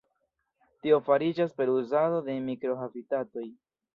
Tio fariĝas per uzado de mikro-habitatoj.